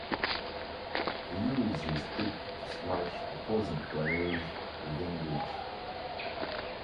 He used his stick to slash opposing players within reach.